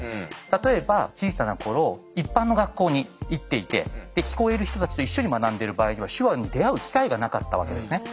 例えば小さな頃一般の学校に行っていて聞こえる人たちと一緒に学んでる場合には手話に出会う機会がなかったわけですね。